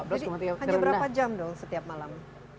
berarti hanya berapa jam dong setiap malam